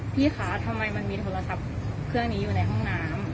พี่คะทำไมมันมีโทรศัพท์เครื่องนี้อยู่ในห้องน้ำ